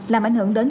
làm ảnh hưởng đến